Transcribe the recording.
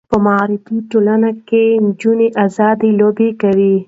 په مغربي ټولنو کې نجونې آزادې لوبې کوي.